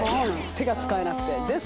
手が使えなくて。